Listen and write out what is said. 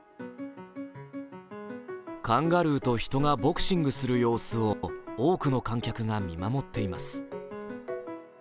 カンガルーと人がボクシングする様子を多くの観客が見守っています。